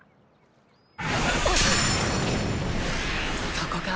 そこか。